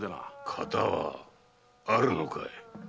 カタはあるのかい？